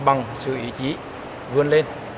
bằng sự ý chí vươn lên